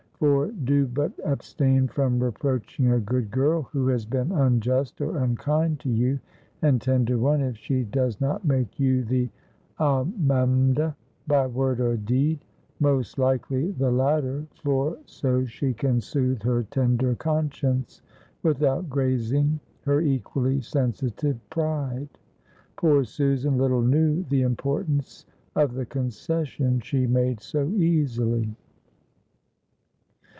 For do but abstain from reproaching a good girl who has been unjust or unkind to you, and ten to one if she does not make you the amemde by word or deed most likely the latter, for so she can soothe her tender conscience without grazing her equally sensitive pride. Poor Susan little knew the importance of the concession she made so easily.